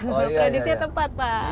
mempredikasikan tepat pak